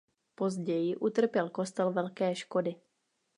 Později utrpěl kostel velké škody.